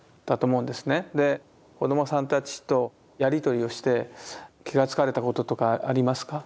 子どもさんたちとやり取りをして気が付かれたこととかありますか？